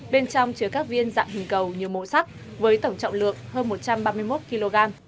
bên trong chứa các viên dạng hình cầu nhiều màu sắc với tổng trọng lượng hơn một trăm ba mươi một kg